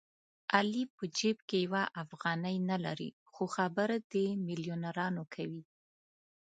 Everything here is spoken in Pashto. علي په جېب کې یوه افغانۍ نه لري خو خبرې د مېلیونرانو کوي.